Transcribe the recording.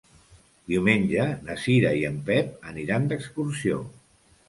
Diumenge na Cira i en Pep aniran d'excursió.